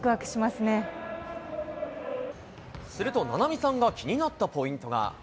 すると菜波さんが気になったポイントが。